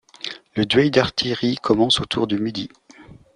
Le duel d'artillerie commence autour de midi.